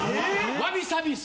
わびさび室。